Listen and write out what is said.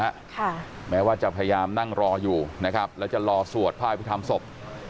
ค่ะแม้ว่าจะพยายามนั่งรออยู่นะครับแล้วจะรอสวดพระอภิษฐรรมศพ